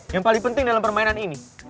yang paling penting dalam permainan ini